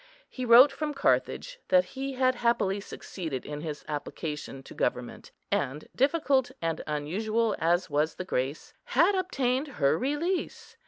He wrote from Carthage, that he had happily succeeded in his application to government, and, difficult and unusual as was the grace, had obtained her release.